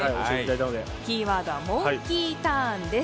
キーワードは「モンキーターン」です。